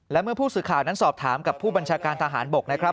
และเมื่อผู้สื่อข่าวนั้นสอบถามกับผู้บัญชาการทหารบกนะครับ